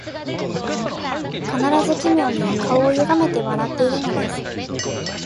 必ず奇妙に顔をゆがめて笑っているのです